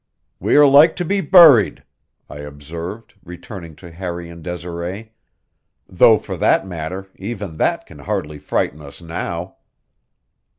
"We are like to be buried," I observed, returning to Harry and Desiree. "Though for that matter, even that can hardly frighten us now."